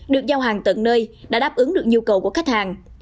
được giao hàng tận nơi đã đáp ứng được nhu cầu của khách hàng